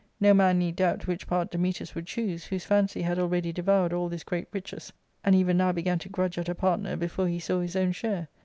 No man need doubt which part Dametas would choose, whose fancy had already devoured all this great riches, and even now began to grudge at a partner before he saw his own share.